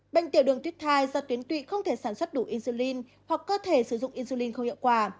bệnh tiểu đường tittite do tuyến tụy không thể sản xuất đủ insulin hoặc cơ thể sử dụng insulin không hiệu quả